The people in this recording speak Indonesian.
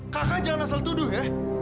kakak jangan asal tuduh ya